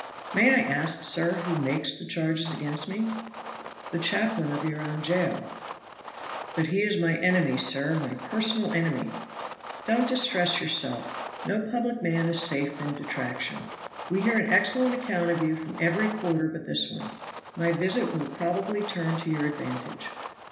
"May I ask, sir, who makes the charges against me?" "The chaplain of your own jail." "But he is my enemy, sir, my personal enemy." "Don't distress yourself. No public man is safe from detraction. We hear an excellent account of you from every quarter but this one. My visit will probably turn to your advantage."